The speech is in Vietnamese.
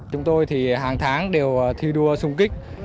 chúng tôi thì hàng tháng đều thi đua sung kích